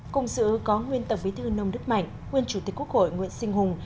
cùng sự ưu có nguyên tập bí thư nông đức mạnh nguyên chủ tịch quốc hội nguyễn sinh hùng